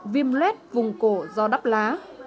viêm lết vùng cổ do đắp lá